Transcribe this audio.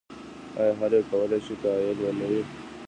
ایا هر یو کولای شي قایل نه وي؟